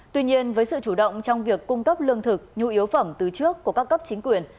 tuy nhiên với sự chủ động trong việc cung cấp lương thực nhu yếu phẩm từ trước của các cấp chính quyền